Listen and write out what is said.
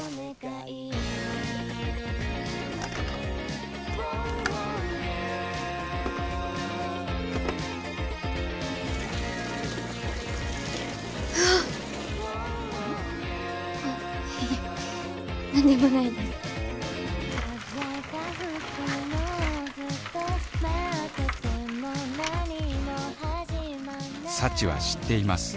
いや何でもないです幸は知っています。